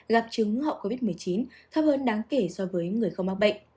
gặp chứng hậu covid một mươi chín thấp hơn đáng kể so với người không mắc bệnh